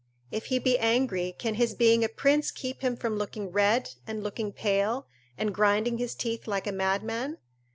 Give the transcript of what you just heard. If he be angry, can his being a prince keep him from looking red and looking pale, and grinding his teeth like a madman?